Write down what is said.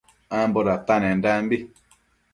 Ambo datanendanbi